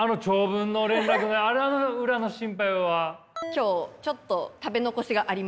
今日ちょっと食べ残しがありました。